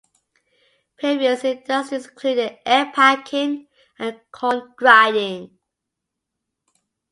Previous industries included egg packing and corn grinding.